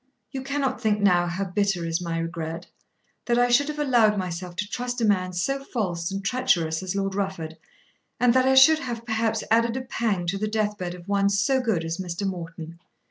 You cannot think now how bitter is my regret; that I should have allowed myself to trust a man so false and treacherous as Lord Rufford, and that I should have perhaps added a pang to the deathbed of one so good as Mr. Morton."